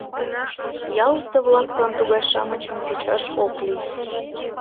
Ялысе-влаклан тугай-шамычым кучаш ок лий».